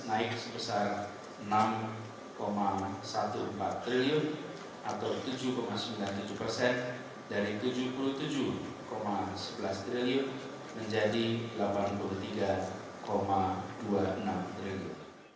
apbd provinsi dki jakarta tahun dua ribu delapan belas naik sebesar enam empat belas triliun atau tujuh sembilan puluh tujuh persen dari tujuh puluh tujuh sebelas triliun menjadi delapan puluh tiga dua puluh enam triliun